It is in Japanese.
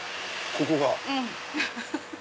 ここが。